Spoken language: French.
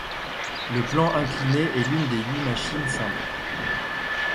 Le plan incliné est l'une des huit machines simples.